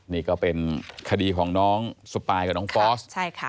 นี่ก็เป็นคดีของน้องสปายกับน้องฟอส